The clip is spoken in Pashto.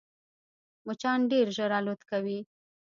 مچان ډېر ژر الوت کوي